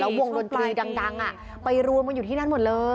วงดนตรีดังไปรวมกันอยู่ที่นั่นหมดเลย